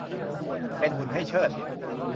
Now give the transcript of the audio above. เป็นหุ่นให้เชิด